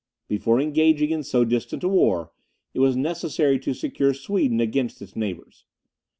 Before engaging in so distant a war, it was necessary to secure Sweden against its neighbours.